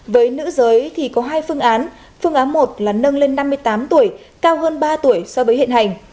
với nữ giới thì có hai phương án phương án một là nâng lên năm mươi tám tuổi cao hơn ba tuổi so với hiện hành